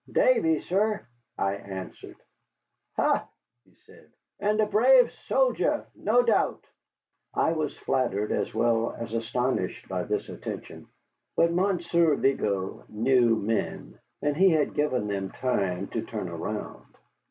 "Davy, sir," I answered. "Ha," he said, "and a brave soldier, no doubt." I was flattered as well as astonished by this attention. But Monsieur Vigo knew men, and he had given them time to turn around.